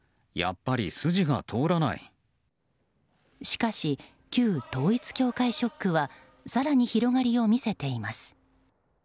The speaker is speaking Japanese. しかし、旧統一教会ショックは更に広がりを見せています。